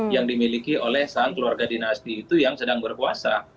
yang dimiliki oleh sang keluarga dinasti itu yang sedang berpuasa